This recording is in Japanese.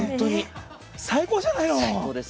最高じゃないの！